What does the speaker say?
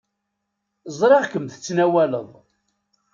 Ẓriɣ-kem tettnawaleḍ.